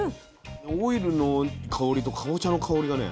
オイルの香りとかぼちゃの香りがね。